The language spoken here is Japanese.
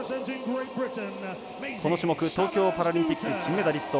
この種目、東京パラリンピック金メダリスト